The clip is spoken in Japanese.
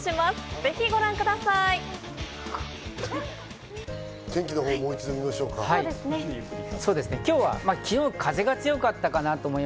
ぜひご覧ください。